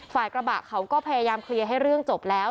ฝ่ายกระบะเขาก็พยายามเคลียร์ให้เรื่องจบแล้ว